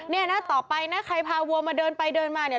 เนี่ยนะต่อไปนะใครพาวัวมาเดินไปเดินมาเนี่ย